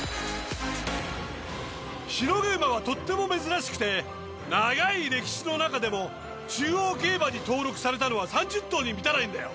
白毛馬はとっても珍しくて長い歴史の中でも中央競馬に登録されたのは３０頭に満たないんだよ。